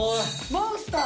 「モンスター」